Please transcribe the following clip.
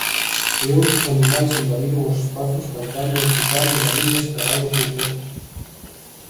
E outros animais invadiron os espazos que antano ocuparon galiñas, cabalos ou porcos.